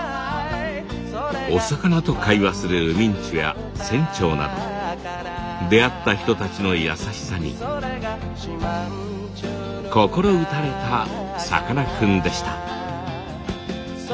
お魚と会話する海人や船長など出会った人たちの優しさに心打たれたさかなクンでした。